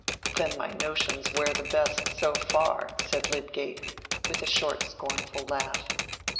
"Then my notions wear the best, so far," said Lydgate, with a short scornful laugh.